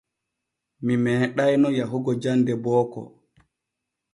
Mi meeɗayno yahugo jande booko.